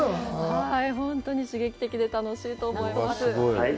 本当に刺激的で、楽しいと思います。